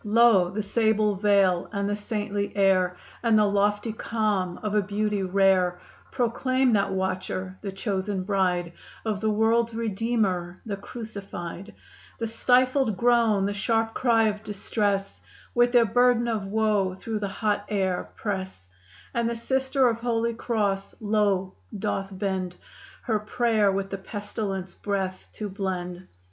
Lo! the sable veil and the saintly air, And the lofty calm of a beauty rare, Proclaim that watcher, the chosen bride, Of the world's Redeemer the Crucified The stifled groan, the sharp cry of distress With their burden of woe, through the hot air press, And the Sister of Holy Cross low doth bend; Her prayer with the pestilence breath to blend.